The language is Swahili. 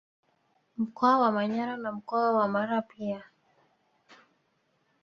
Mkoa wa Manyara na mkoa wa Mara pia